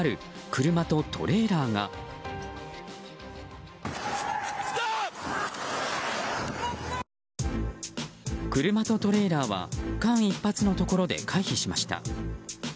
車とトレーラーは間一髪のところで回避しました。